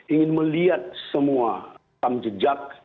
ingin melihat semua tam jejak